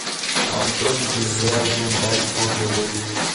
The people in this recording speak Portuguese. Antônio José de Andrade Correia